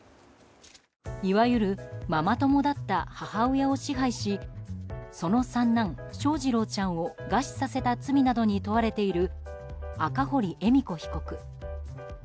いわゆるママ友だった母親を支配しその三男・翔士郎ちゃんを餓死させた罪などに問われている赤堀恵美子被告。